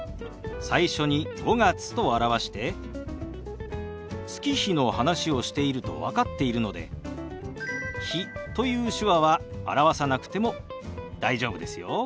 最初に「５月」と表して月日の話をしていると分かっているので「日」という手話は表さなくても大丈夫ですよ。